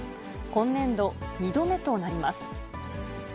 今年度、２度目となります。